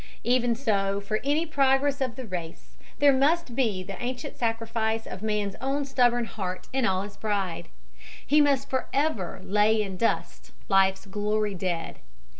Even so, for any progress of the race, there must be the ancient sacrifice of man's own stubborn heart, and all his pride. He must forever "lay in dust life's glory dead."